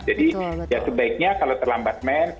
jadi ya sebaiknya kalau terlambat mens